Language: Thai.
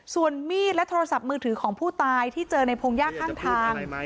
ส่วนมีดและโทรศัพท์มือถือของผู้ตายที่เจอในพงยากข้างทาง